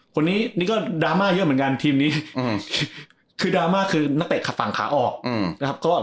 คนนี้นี่ก็ดราม่าเยอะเหมือนกันทีมนี้คือดราม่าคือนักเตะขัดฝั่งขาออกนะครับ